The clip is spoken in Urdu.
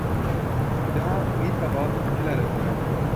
جہاں امید کا باب کھلا رہتا ہے۔